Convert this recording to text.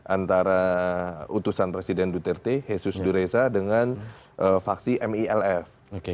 antara utusan presiden duterte jesus dureza dengan vaksi milf